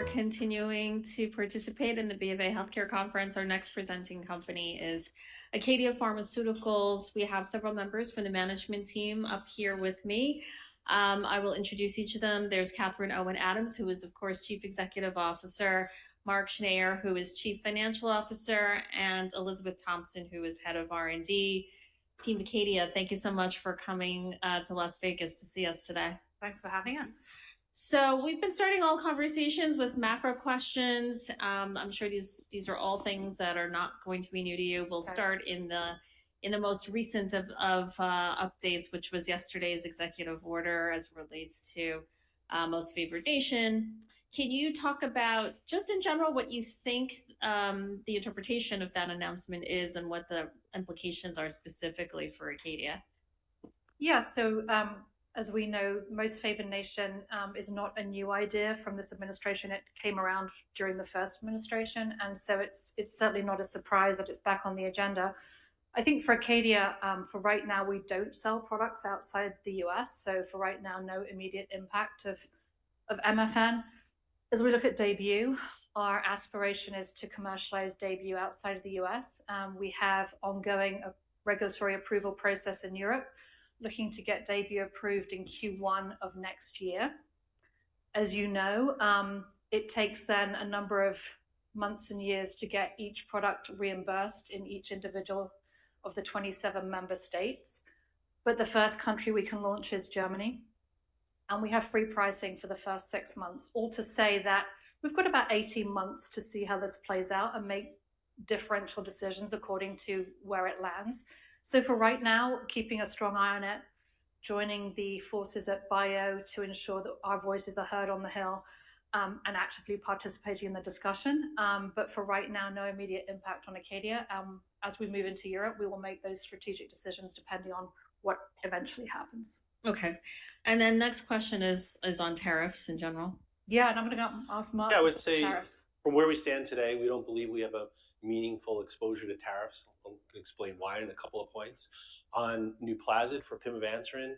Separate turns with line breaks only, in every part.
Thanks for continuing to participate in the BofA Healthcare Conference. Our next presenting company is ACADIA Pharmaceuticals. We have several members from the management team up here with me. I will introduce each of them. There's Catherine Owen Adams, who is, of course, Chief Executive Officer, Mark Schneyer, who is Chief Financial Officer, and Elizabeth Thompson, who is Head of R&D. Team ACADIA, thank you so much for coming to Las Vegas to see us today.
Thanks for having us.
We've been starting all conversations with macro questions. I'm sure these are all things that are not going to be new to you. We'll start in the most recent of updates, which was yesterday's executive order as it relates to Most Favored Nation. Can you talk about, just in general, what you think the interpretation of that announcement is and what the implications are specifically for ACADIA?
Yeah, so as we know, Most Favored Nation is not a new idea from this administration. It came around during the first administration. It is certainly not a surprise that it is back on the agenda. I think for ACADIA, for right now, we do not sell products outside the U.S. For right now, no immediate impact of MFN. As we look at DAYBUE, our aspiration is to commercialize DAYBUE outside of the U.S. We have ongoing regulatory approval process in Europe, looking to get DAYBUE approved in Q1 of next year. As you know, it takes then a number of months and years to get each product reimbursed in each individual of the 27 member states. The first country we can launch is Germany. We have free pricing for the first six months, all to say that we've got about 18 months to see how this plays out and make differential decisions according to where it lands. For right now, keeping a strong eye on it, joining the forces at BIO to ensure that our voices are heard on the Hill and actively participating in the discussion. For right now, no immediate impact on ACADIA. As we move into Europe, we will make those strategic decisions depending on what eventually happens.
Okay. Next question is on tariffs in general.
Yeah, and I'm going to ask Mark.
Yeah, I would say from where we stand today, we don't believe we have a meaningful exposure to tariffs. I'll explain why in a couple of points. On NUPLAZID for pimavanserin,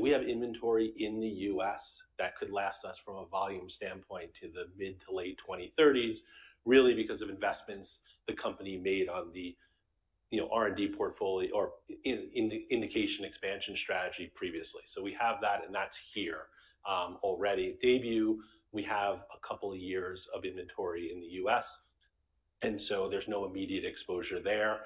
we have inventory in the U.S. that could last us from a volume standpoint to the mid to late 2030s, really because of investments the company made on the R&D portfolio or in the indication expansion strategy previously. So we have that, and that's here already. DAYBUE, we have a couple of years of inventory in the U.S. And so there's no immediate exposure there.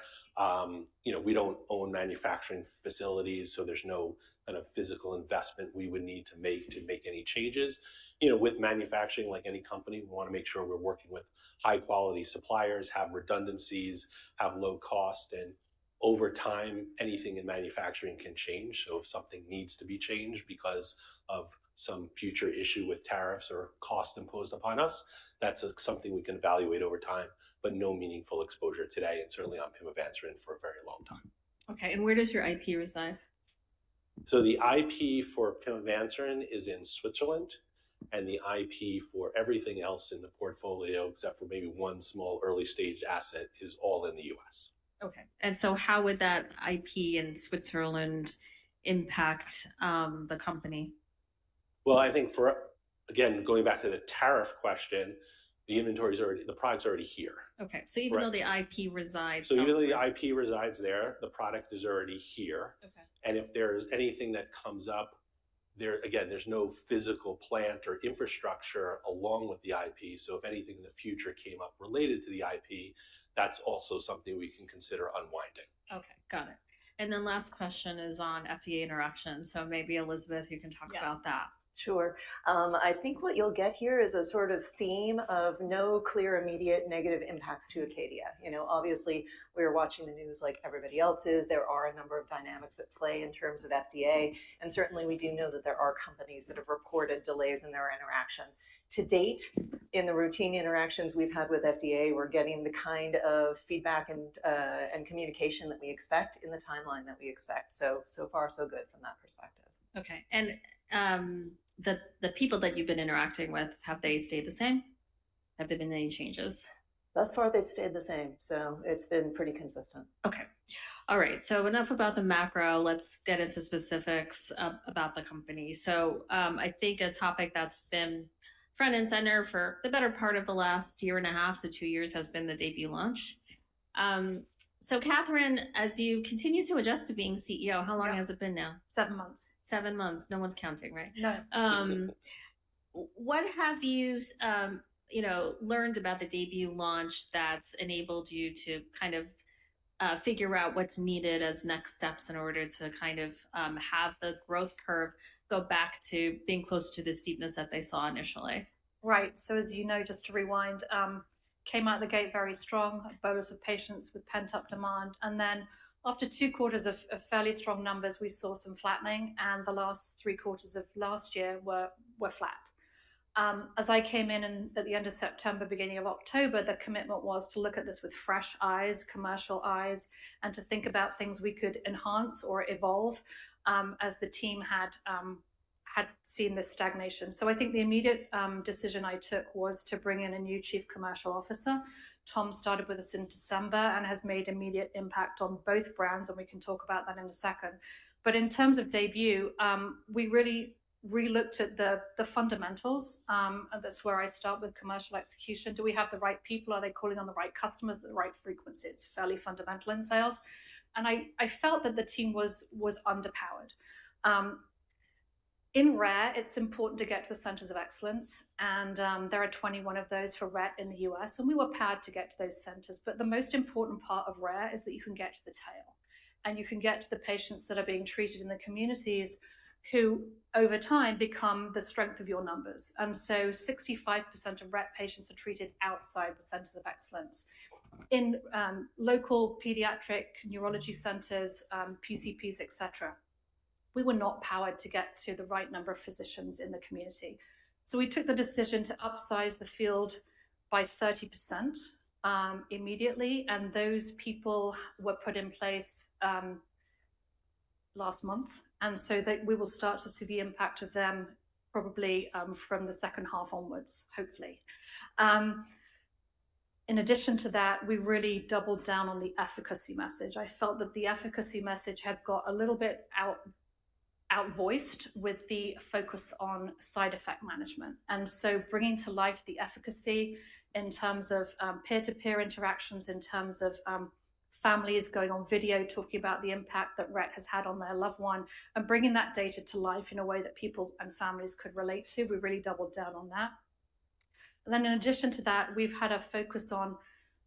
We don't own manufacturing facilities, so there's no kind of physical investment we would need to make to make any changes. With manufacturing, like any company, we want to make sure we're working with high-quality suppliers, have redundancies, have low cost, and over time, anything in manufacturing can change. If something needs to be changed because of some future issue with tariffs or cost imposed upon us, that's something we can evaluate over time, but no meaningful exposure today and certainly on pimavanserin for a very long time.
Okay. And where does your IP reside?
The IP for pimavanserin is in Switzerland, and the IP for everything else in the portfolio, except for maybe one small early-stage asset, is all in the U.S.
Okay. And how would that IP in Switzerland impact the company?
I think for, again, going back to the tariff question, the inventory is already, the product's already here.
Okay. So even though the IP resides there.
Even though the IP resides there, the product is already here. If there is anything that comes up there, again, there is no physical plant or infrastructure along with the IP. If anything in the future came up related to the IP, that is also something we can consider unwinding.
Okay. Got it. Last question is on FDA interactions. Maybe Elizabeth, you can talk about that.
Sure. I think what you'll get here is a sort of theme of no clear immediate negative impacts to ACADIA. Obviously, we are watching the news like everybody else is. There are a number of dynamics at play in terms of FDA. Certainly, we do know that there are companies that have reported delays in their interaction. To date, in the routine interactions we've had with FDA, we're getting the kind of feedback and communication that we expect in the timeline that we expect. So far, so good from that perspective.
Okay. And the people that you've been interacting with, have they stayed the same? Have there been any changes?
Thus far, they've stayed the same. It has been pretty consistent.
Okay. All right. Enough about the macro. Let's get into specifics about the company. I think a topic that's been front and center for the better part of the last year and a half to two years has been the DAYBUE launch. Catherine, as you continue to adjust to being CEO, how long has it been now?
Seven months.
Seven months. No one's counting, right?
No.
What have you learned about the DAYBUE launch that's enabled you to kind of figure out what's needed as next steps in order to kind of have the growth curve go back to being close to the steepness that they saw initially?
Right. As you know, just to rewind, came out the gate very strong, a bonus of patients with pent-up demand. After two quarters of fairly strong numbers, we saw some flattening. The last three quarters of last year were flat. As I came in at the end of September, beginning of October, the commitment was to look at this with fresh eyes, commercial eyes, and to think about things we could enhance or evolve as the team had seen this stagnation. I think the immediate decision I took was to bring in a new Chief Commercial Officer. Tom started with us in December and has made immediate impact on both brands, and we can talk about that in a second. In terms of DAYBUE, we really re-looked at the fundamentals. That is where I start with commercial execution. Do we have the right people? Are they calling on the right customers at the right frequency? It's fairly fundamental in sales. I felt that the team was underpowered. In Rare, it's important to get to the centers of excellence. There are 21 of those for Rare in the U.S. We were proud to get to those centers. The most important part of Rare is that you can get to the tail. You can get to the patients that are being treated in the communities who, over time, become the strength of your numbers. 65% of Rare patients are treated outside the centers of excellence in local pediatric neurology centers, PCPs, et cetera. We were not powered to get to the right number of physicians in the community. We took the decision to upsize the field by 30% immediately. Those people were put in place last month. We will start to see the impact of them probably from the second half onwards, hopefully. In addition to that, we really doubled down on the efficacy message. I felt that the efficacy message had got a little bit outvoiced with the focus on side effect management. Bringing to life the efficacy in terms of peer-to-peer interactions, in terms of families going on video, talking about the impact that Rare has had on their loved one, and bringing that data to life in a way that people and families could relate to, we really doubled down on that. In addition to that, we've had a focus on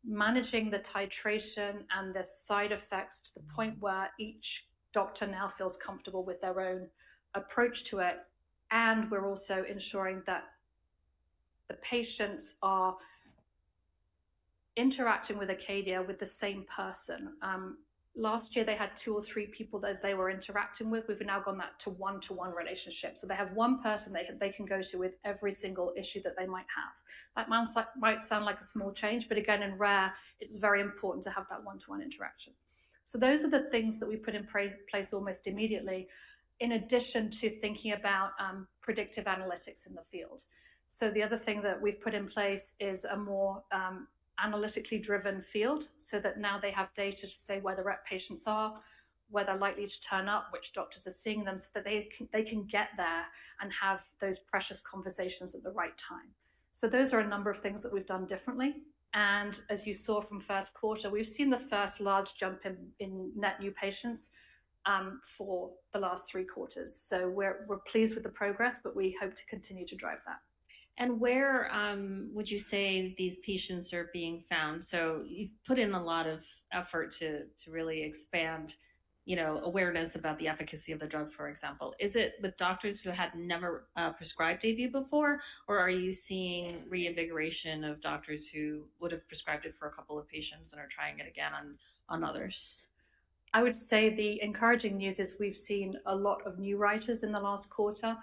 managing the titration and the side effects to the point where each doctor now feels comfortable with their own approach to it. We are also ensuring that the patients are interacting with ACADIA with the same person. Last year, they had two or three people that they were interacting with. We've now gone that to one-to-one relationship. They have one person they can go to with every single issue that they might have. That might sound like a small change, but again, in Rare, it's very important to have that one-to-one interaction. Those are the things that we put in place almost immediately in addition to thinking about predictive analytics in the field. The other thing that we've put in place is a more analytically driven field so that now they have data to say where the Rare patients are, where they're likely to turn up, which doctors are seeing them, so that they can get there and have those precious conversations at the right time. Those are a number of things that we've done differently. As you saw from first quarter, we've seen the first large jump in net new patients for the last three quarters. We're pleased with the progress, but we hope to continue to drive that.
Where would you say these patients are being found? You have put in a lot of effort to really expand awareness about the efficacy of the drug, for example. Is it with doctors who had never prescribed DAYBUE before, or are you seeing reinvigoration of doctors who would have prescribed it for a couple of patients and are trying it again on others?
I would say the encouraging news is we've seen a lot of new writers in the last quarter.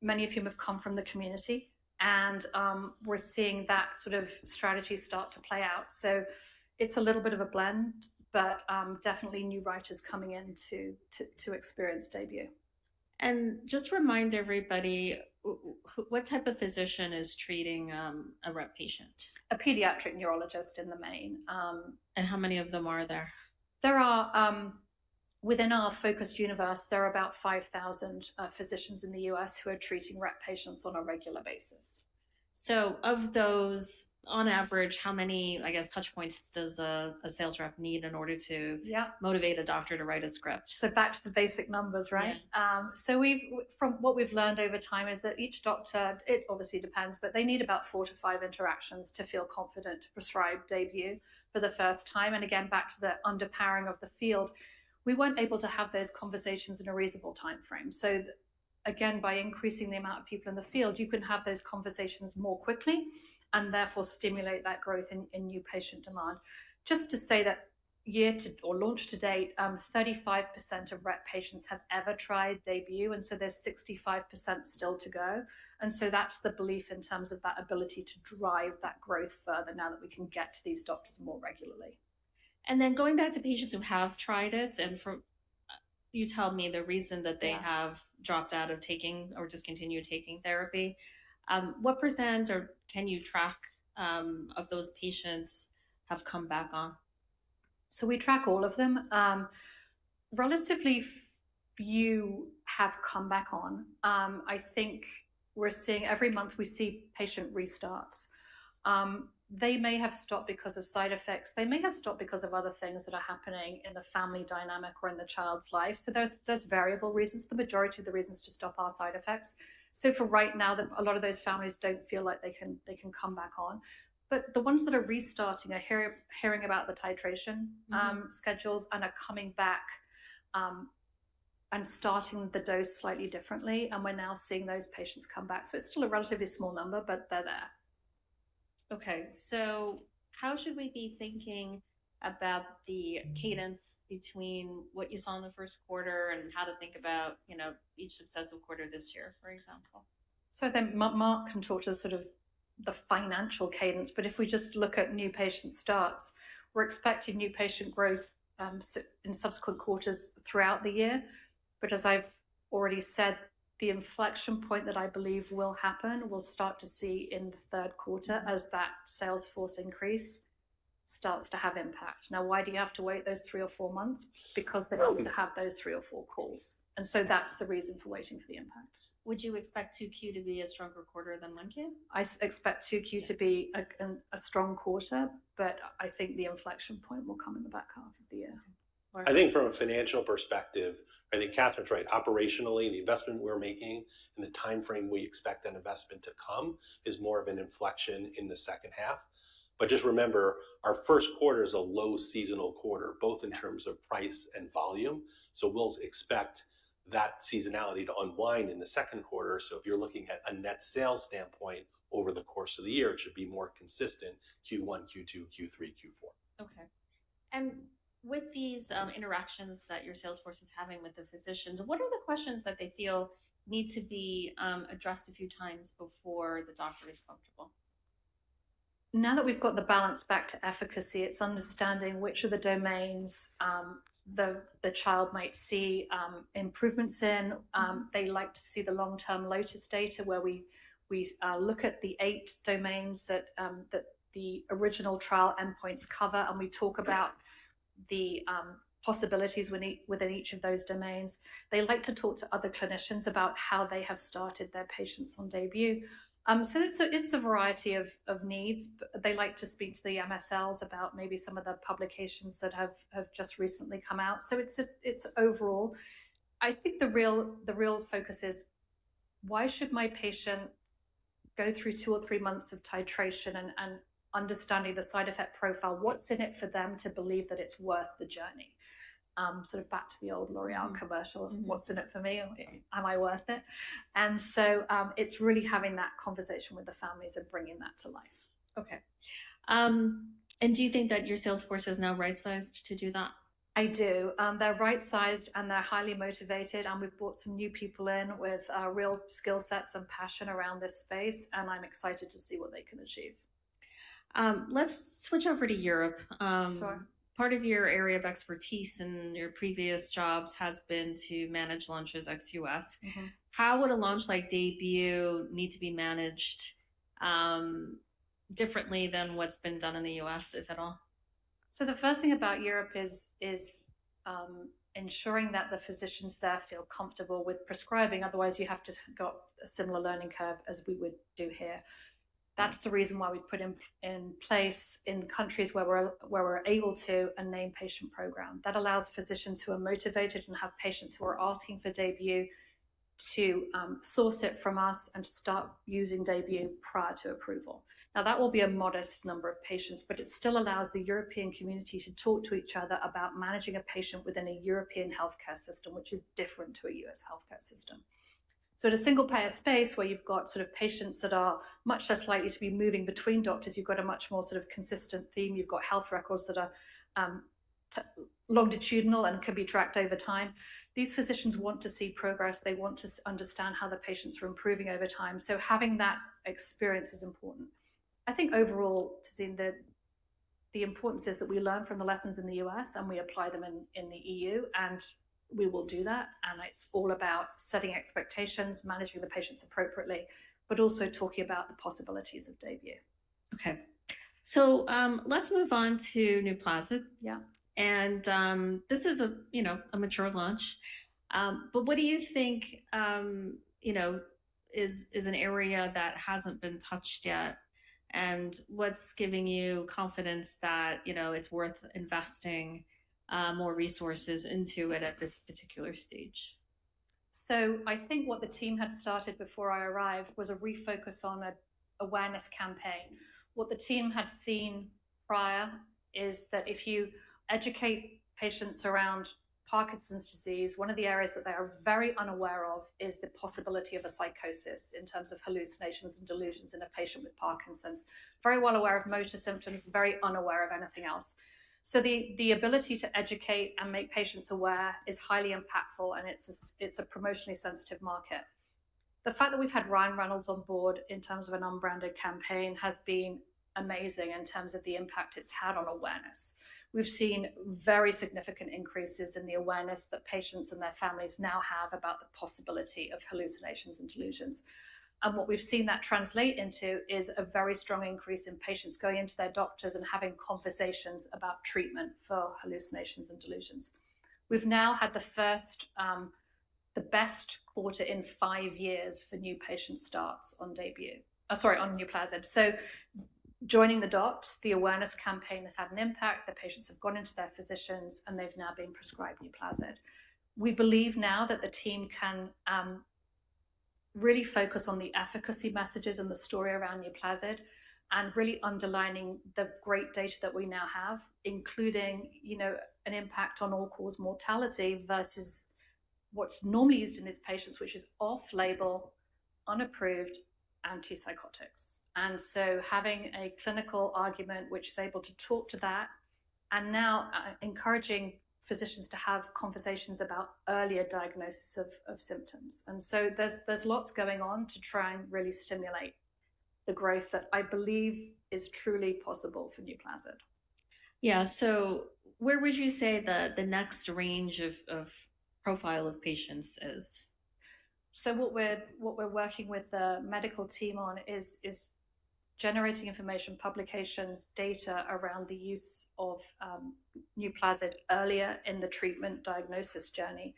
Many of whom have come from the community. We're seeing that sort of strategy start to play out. It is a little bit of a blend, but definitely new writers coming in to experience DAYBUE.
Just remind everybody, what type of physician is treating a Rare patient?
A pediatric neurologist in the main.
How many of them are there?
There are, within our focused universe, there are about 5,000 physicians in the U.S. who are treating Rare patients on a regular basis.
Of those, on average, how many, I guess, touch points does a sales rep need in order to motivate a doctor to write a script?
Back to the basic numbers, right? What we've learned over time is that each doctor, it obviously depends, but they need about four to five interactions to feel confident to prescribe DAYBUE for the first time. Again, back to the underpowering of the field, we weren't able to have those conversations in a reasonable timeframe. Again, by increasing the amount of people in the field, you can have those conversations more quickly and therefore stimulate that growth in new patient demand. Just to say that year to or launch to date, 35% of Rare patients have ever tried DAYBUE. There's 65% still to go. That's the belief in terms of that ability to drive that growth further now that we can get to these doctors more regularly.
Going back to patients who have tried it and you tell me the reason that they have dropped out of taking or discontinued taking therapy, what percent or can you track of those patients have come back on?
We track all of them. Relatively few have come back on. I think we're seeing every month we see patient restarts. They may have stopped because of side effects. They may have stopped because of other things that are happening in the family dynamic or in the child's life. There's variable reasons. The majority of the reasons to stop are side effects. For right now, a lot of those families don't feel like they can come back on. The ones that are restarting are hearing about the titration schedules and are coming back and starting the dose slightly differently. We're now seeing those patients come back. It's still a relatively small number, but they're there.
Okay. So how should we be thinking about the cadence between what you saw in the first quarter and how to think about each successful quarter this year, for example?
Mark can talk to sort of the financial cadence. If we just look at new patient starts, we're expecting new patient growth in subsequent quarters throughout the year. As I've already said, the inflection point that I believe will happen, we'll start to see in the third quarter as that sales force increase starts to have impact. Now, why do you have to wait those three or four months? Because they need to have those three or four calls. That's the reason for waiting for the impact.
Would you expect 2Q to be a stronger quarter than 1Q?
I expect 2Q to be a strong quarter, but I think the inflection point will come in the back half of the year.
I think from a financial perspective, I think Catherine's right. Operationally, the investment we're making and the timeframe we expect that investment to come is more of an inflection in the second half. Just remember, our first quarter is a low seasonal quarter, both in terms of price and volume. We'll expect that seasonality to unwind in the second quarter. If you're looking at a net sales standpoint over the course of the year, it should be more consistent Q1, Q2, Q3, Q4.
Okay. With these interactions that your sales force is having with the physicians, what are the questions that they feel need to be addressed a few times before the doctor is comfortable?
Now that we've got the balance back to efficacy, it's understanding which of the domains the child might see improvements in. They like to see the long-term LOTUS data where we look at the eight domains that the original trial endpoints cover, and we talk about the possibilities within each of those domains. They like to talk to other clinicians about how they have started their patients on DAYBUE. It is a variety of needs. They like to speak to the MSLs about maybe some of the publications that have just recently come out. It is overall. I think the real focus is, why should my patient go through two or three months of titration and understanding the side effect profile? What's in it for them to believe that it's worth the journey? Sort of back to the old L'Oréal commercial, what's in it for me? Am I worth it? It is really having that conversation with the families and bringing that to life.
Okay. Do you think that your sales force is now right-sized to do that?
I do. They're right-sized and they're highly motivated. We've brought some new people in with real skill sets and passion around this space. I'm excited to see what they can achieve.
Let's switch over to Europe. Part of your area of expertise in your previous jobs has been to manage launches ex U.S. How would a launch like DAYBUE need to be managed differently than what's been done in the U.S., if at all?
The first thing about Europe is ensuring that the physician staff feel comfortable with prescribing. Otherwise, you have to go up a similar learning curve as we would do here. That's the reason why we've put in place in countries where we're able to a name patient program. That allows physicians who are motivated and have patients who are asking for DAYBUE to source it from us and to start using DAYBUE prior to approval. Now, that will be a modest number of patients, but it still allows the European community to talk to each other about managing a patient within a European healthcare system, which is different to a U.S. healthcare system. In a single-payer space where you've got sort of patients that are much less likely to be moving between doctors, you've got a much more sort of consistent theme. You've got health records that are longitudinal and can be tracked over time. These physicians want to see progress. They want to understand how the patients are improving over time. Having that experience is important. I think overall, the importance is that we learn from the lessons in the U.S. and we apply them in the EU. We will do that. It is all about setting expectations, managing the patients appropriately, but also talking about the possibilities of DAYBUE.
Okay. Let's move on to NUPLAZID. This is a mature launch. What do you think is an area that has not been touched yet? What's giving you confidence that it's worth investing more resources into it at this particular stage?
I think what the team had started before I arrived was a refocus on an awareness campaign. What the team had seen prior is that if you educate patients around Parkinson's disease, one of the areas that they are very unaware of is the possibility of a psychosis in terms of hallucinations and delusions in a patient with Parkinson's. Very well aware of motor symptoms, very unaware of anything else. The ability to educate and make patients aware is highly impactful, and it's a promotionally sensitive market. The fact that we've had Ryan Reynolds on board in terms of an unbranded campaign has been amazing in terms of the impact it's had on awareness. We've seen very significant increases in the awareness that patients and their families now have about the possibility of hallucinations and delusions. What we've seen that translate into is a very strong increase in patients going into their doctors and having conversations about treatment for hallucinations and delusions. We've now had the best quarter in five years for new patient starts on DAYBUE. Sorry, on NUPLAZID. Joining the docs, the awareness campaign has had an impact. The patients have gone into their physicians, and they've now been prescribed NUPLAZID. We believe now that the team can really focus on the efficacy messages and the story around NUPLAZID and really underlining the great data that we now have, including an impact on all-cause mortality versus what's normally used in these patients, which is off-label, unapproved antipsychotics. Having a clinical argument which is able to talk to that and now encouraging physicians to have conversations about earlier diagnosis of symptoms. There is lots going on to try and really stimulate the growth that I believe is truly possible for NUPLAZID.
Yeah. Where would you say the next range of profile of patients is?
What we're working with the medical team on is generating information, publications, data around the use of NUPLAZID earlier in the treatment diagnosis journey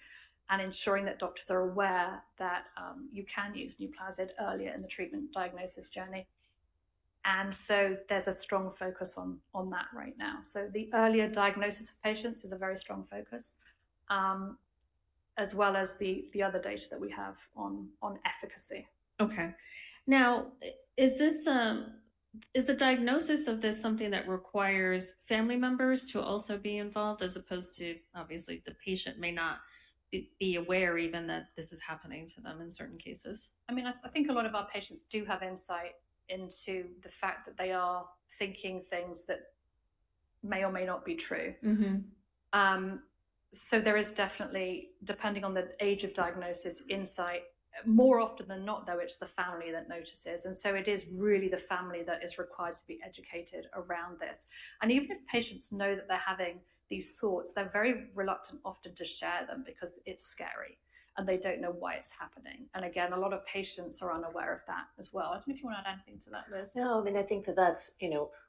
and ensuring that doctors are aware that you can use NUPLAZID earlier in the treatment diagnosis journey. There is a strong focus on that right now. The earlier diagnosis of patients is a very strong focus, as well as the other data that we have on efficacy.
Okay. Now, is the diagnosis of this something that requires family members to also be involved as opposed to, obviously, the patient may not be aware even that this is happening to them in certain cases?
I mean, I think a lot of our patients do have insight into the fact that they are thinking things that may or may not be true. There is definitely, depending on the age of diagnosis, insight. More often than not, though, it's the family that notices. It is really the family that is required to be educated around this. Even if patients know that they're having these thoughts, they're very reluctant often to share them because it's scary. They don't know why it's happening. Again, a lot of patients are unaware of that as well. I don't know if you want to add anything to that, Liz.
No. I mean, I think that that's,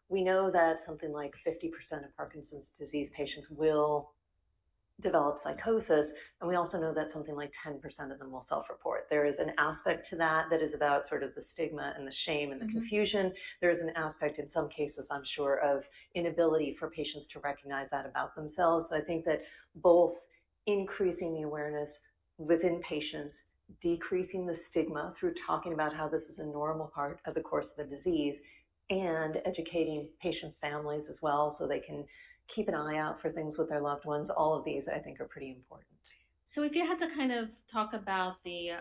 we know that something like 50% of Parkinson's disease patients will develop psychosis. And we also know that something like 10% of them will self-report. There is an aspect to that that is about sort of the stigma and the shame and the confusion. There is an aspect in some cases, I'm sure, of inability for patients to recognize that about themselves. So I think that both increasing the awareness within patients, decreasing the stigma through talking about how this is a normal part of the course of the disease, and educating patients' families as well so they can keep an eye out for things with their loved ones, all of these, I think, are pretty important.
If you had to kind of talk about the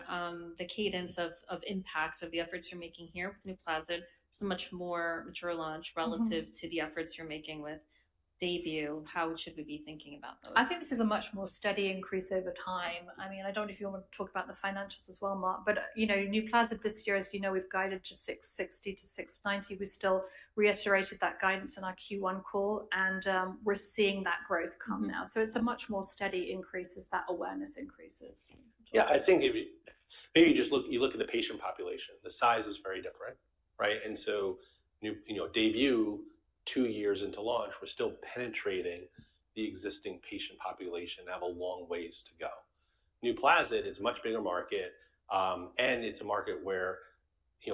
cadence of impact of the efforts you're making here with NUPLAZID, it's a much more mature launch relative to the efforts you're making with DAYBUE. How should we be thinking about those?
I think this is a much more steady increase over time. I mean, I don't know if you want to talk about the financials as well, Mark. But NUPLAZID this year, as you know, we've guided to $660 million-$690 million. We still reiterated that guidance in our Q1 call. We're seeing that growth come now. It's a much more steady increase as that awareness increases.
Yeah. I think maybe you look at the patient population. The size is very different, right? And so DAYBUE, two years into launch, was still penetrating the existing patient population. They have a long ways to go. NUPLAZID is a much bigger market. And it's a market where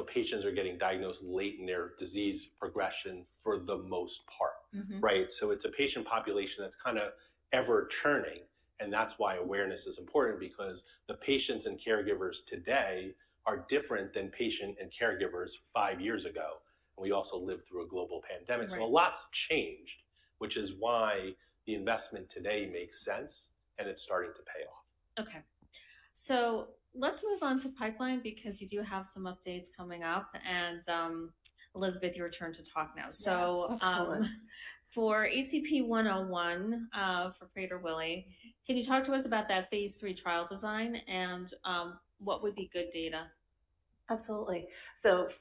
patients are getting diagnosed late in their disease progression for the most part, right? So it's a patient population that's kind of ever-turning. And that's why awareness is important because the patients and caregivers today are different than patients and caregivers five years ago. And we also lived through a global pandemic. So a lot's changed, which is why the investment today makes sense and it's starting to pay off.
Okay. Let's move on to pipeline because you do have some updates coming up. Elizabeth, your turn to talk now. For ACP-101 for Prader-Willi, can you talk to us about that phase III trial design and what would be good data?
Absolutely.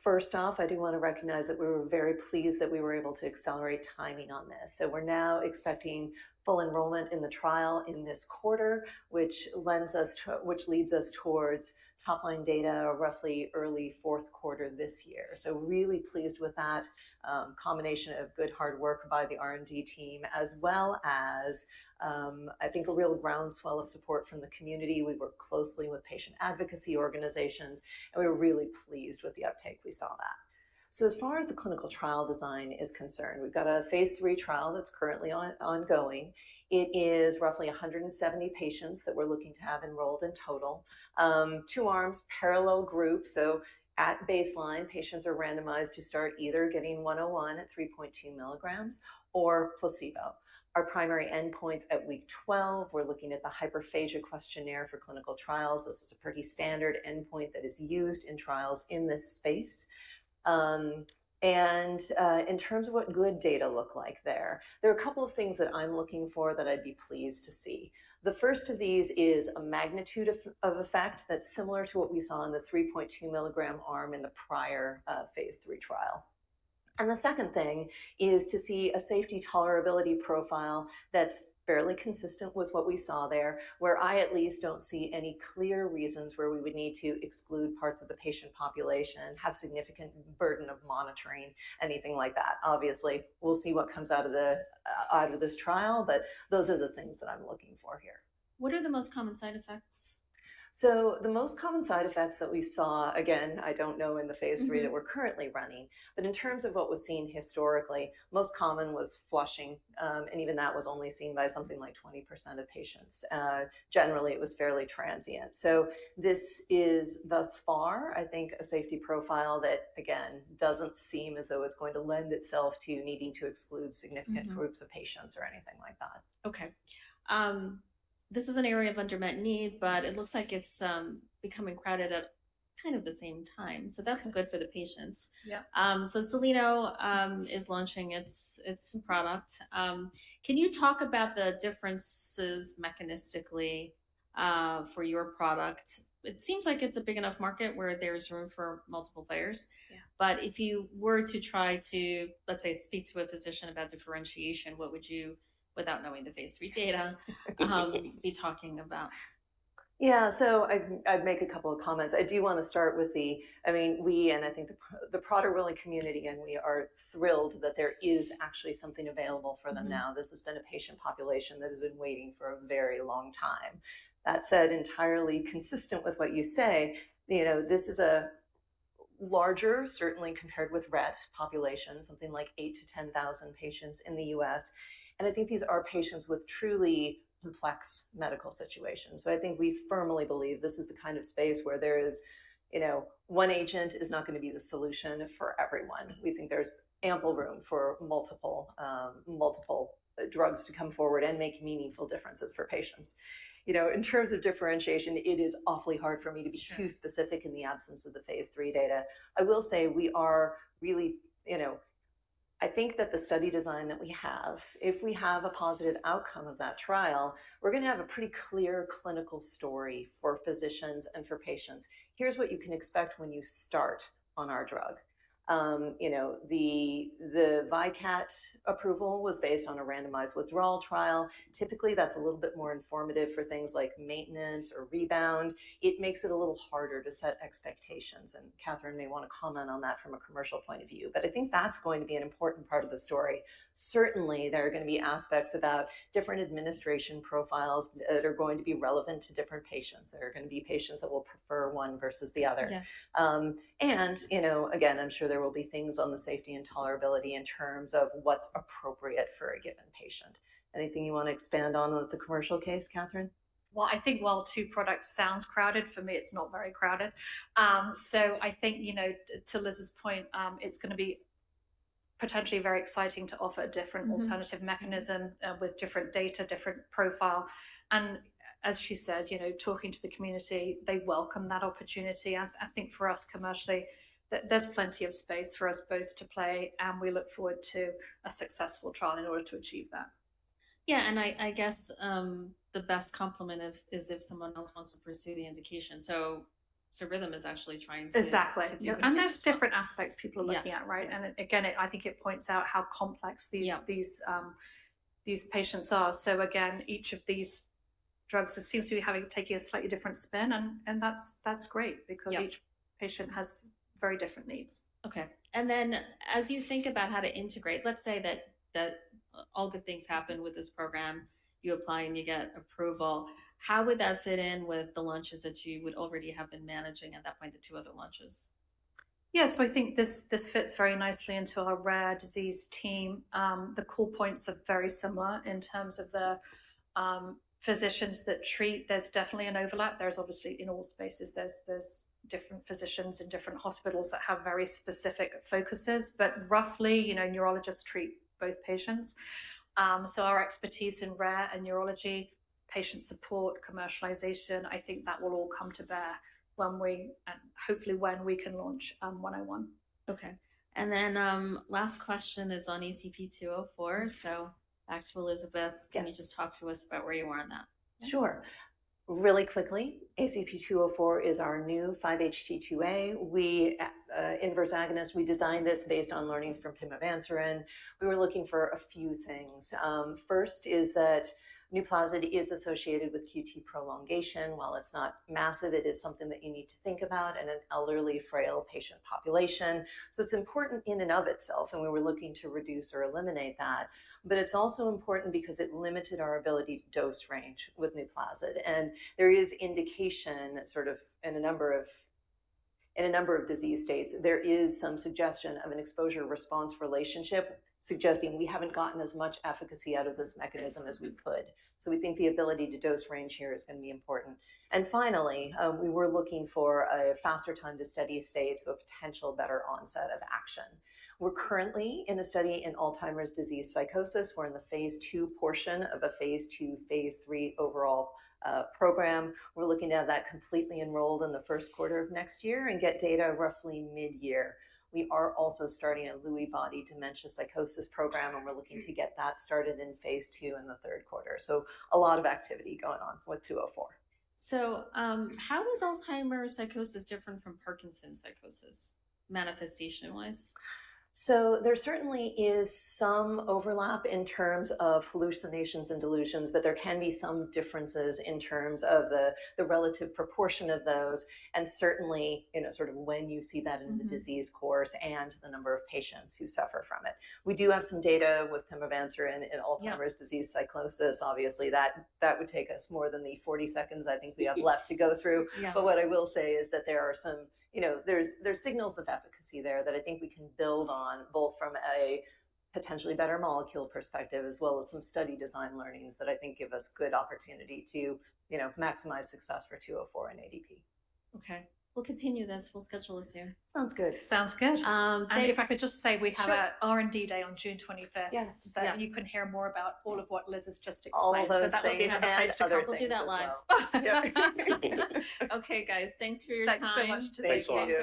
First off, I do want to recognize that we were very pleased that we were able to accelerate timing on this. We're now expecting full enrollment in the trial in this quarter, which leads us towards top-line data roughly early fourth quarter this year. Really pleased with that combination of good hard work by the R&D team, as well as, I think, a real groundswell of support from the community. We work closely with patient advocacy organizations. We were really pleased with the uptake we saw with that. As far as the clinical trial design is concerned, we've got a phase III trial that's currently ongoing. It is roughly 170 patients that we're looking to have enrolled in total. Two arms, parallel groups. At baseline, patients are randomized to start either getting 101 at 3.2 mg or placebo. Our primary endpoints at week 12, we're looking at the Hyperphagia Questionnaire for Clinical Trials. This is a pretty standard endpoint that is used in trials in this space. In terms of what good data look like there, there are a couple of things that I'm looking for that I'd be pleased to see. The first of these is a magnitude of effect that's similar to what we saw in the 3.2 mg arm in the prior phase III trial. The second thing is to see a safety tolerability profile that's fairly consistent with what we saw there, where I at least don't see any clear reasons where we would need to exclude parts of the patient population, have significant burden of monitoring, anything like that. Obviously, we'll see what comes out of this trial, but those are the things that I'm looking for here.
What are the most common side effects?
The most common side effects that we saw, again, I do not know in the phase III that we are currently running. In terms of what was seen historically, most common was flushing. Even that was only seen by something like 20% of patients. Generally, it was fairly transient. This is thus far, I think, a safety profile that, again, does not seem as though it is going to lend itself to needing to exclude significant groups of patients or anything like that.
Okay. This is an area of intermittent need, but it looks like it's becoming crowded at kind of the same time. That is good for the patients. Soleno is launching its product. Can you talk about the differences mechanistically for your product? It seems like it's a big enough market where there's room for multiple players. If you were to try to, let's say, speak to a physician about differentiation, what would you, without knowing the phase III data, be talking about?
Yeah. So I'd make a couple of comments. I do want to start with the, I mean, we, and I think the Prader-Willi community, and we are thrilled that there is actually something available for them now. This has been a patient population that has been waiting for a very long time. That said, entirely consistent with what you say, this is a larger, certainly compared with Rett population, something like 8,000-10,000 patients in the U.S. And I think these are patients with truly complex medical situations. I think we firmly believe this is the kind of space where one agent is not going to be the solution for everyone. We think there's ample room for multiple drugs to come forward and make meaningful differences for patients. In terms of differentiation, it is awfully hard for me to be too specific in the absence of the phase III data. I will say we are really, I think that the study design that we have, if we have a positive outcome of that trial, we're going to have a pretty clear clinical story for physicians and for patients. Here's what you can expect when you start on our drug. The ViCAT approval was based on a randomized withdrawal trial. Typically, that's a little bit more informative for things like maintenance or rebound. It makes it a little harder to set expectations. Catherine may want to comment on that from a commercial point of view. I think that's going to be an important part of the story. Certainly, there are going to be aspects about different administration profiles that are going to be relevant to different patients. There are going to be patients that will prefer one versus the other. Again, I'm sure there will be things on the safety and tolerability in terms of what's appropriate for a given patient. Anything you want to expand on with the commercial case, Catherine?
I think while two products sounds crowded, for me, it's not very crowded. I think to Liz's point, it's going to be potentially very exciting to offer a different alternative mechanism with different data, different profile. As she said, talking to the community, they welcome that opportunity. I think for us commercially, there's plenty of space for us both to play. We look forward to a successful trial in order to achieve that.
Yeah. I guess the best compliment is if someone else wants to pursue the indication. So, Rhythm is actually trying to.
Exactly. There are different aspects people are looking at, right? I think it points out how complex these patients are. Each of these drugs seems to be taking a slightly different spin. That's great because each patient has very different needs.
Okay. As you think about how to integrate, let's say that all good things happen with this program, you apply and you get approval. How would that fit in with the launches that you would already have been managing at that point, the two other launches?
Yeah. I think this fits very nicely into our rare disease team. The core points are very similar in terms of the physicians that treat. There's definitely an overlap. There's obviously, in all spaces, different physicians in different hospitals that have very specific focuses. But roughly, neurologists treat both patients. Our expertise in rare and neurology, patient support, commercialization, I think that will all come to bear hopefully when we can launch 101.
Okay. And then last question is on ACP-204. Back to Elizabeth. Can you just talk to us about where you are on that?
Sure. Really quickly, ACP-204 is our new 5-HT2A inverse agonist. We designed this based on learning from pimavanserin. We were looking for a few things. First is that NUPLAZID is associated with QT prolongation. While it's not massive, it is something that you need to think about in an elderly, frail patient population. It is important in and of itself. We were looking to reduce or eliminate that. It is also important because it limited our ability to dose range with NUPLAZID. There is indication sort of in a number of disease states, there is some suggestion of an exposure-response relationship suggesting we have not gotten as much efficacy out of this mechanism as we could. We think the ability to dose range here is going to be important. Finally, we were looking for a faster time to steady state so a potential better onset of action. We're currently in a study in Alzheimer's disease psychosis. We're in the phase II portion of a phase II, phase III overall program. We're looking to have that completely enrolled in the first quarter of next year and get data roughly mid-year. We are also starting a Lewy body dementia psychosis program. We're looking to get that started in phase II in the third quarter. A lot of activity going on with 204.
How is Alzheimer's psychosis different from Parkinson's psychosis manifestation-wise?
There certainly is some overlap in terms of hallucinations and delusions. There can be some differences in terms of the relative proportion of those. Certainly, sort of when you see that in the disease course and the number of patients who suffer from it. We do have some data with pimavanserin in Alzheimer's disease psychosis. Obviously, that would take us more than the 40 seconds I think we have left to go through. What I will say is that there are signals of efficacy there that I think we can build on both from a potentially better molecule perspective as well as some study design learnings that I think give us good opportunity to maximize success for 204 and ADP.
Okay. We'll continue this. We'll schedule this here.
Sounds good.
Sounds good. Thanks. If I could just say we have an R&D day on June 25th.
Yes.
You can hear more about all of what Liz has just explained.
All those things.
That way we have a place to go.
We'll do that live.
Yeah.
Okay, guys. Thanks for your time.
Thanks so much to the patients.